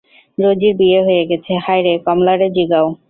রোজির বিয়ে হয়ে গেছে, -হায়রে, কমলারে জিগাও!